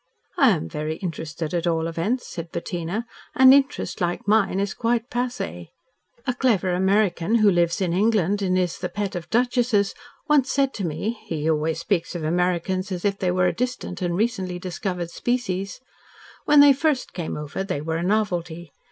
"I am very interested, at all events," said Bettina, "and interest like mine is quite passe. A clever American who lives in England, and is the pet of duchesses, once said to me (he always speaks of Americans as if they were a distant and recently discovered species), 'When they first came over they were a novelty.